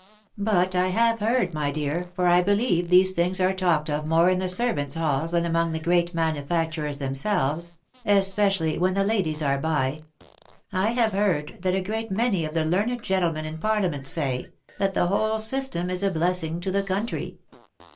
But I have heard, my dear, for I be lieve these things are talked of more in the servants' halls than among the great manufacturers themselves, especially when the ladies are by, — I have heard that a great many of the learned gen tlemen in parliament say, that the whole system is a blessing to the country."